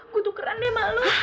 aku tuh keren deh malu